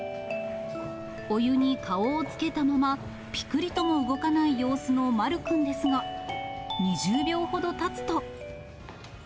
お湯に顔をつけたまま、ぴくりとも動かない様子のまるくんですが、２０秒ほどたつと。